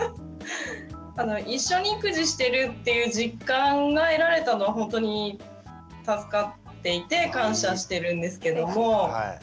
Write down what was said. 一緒に育児してるっていう実感が得られたのはほんとに助かっていて感謝してるんですけども。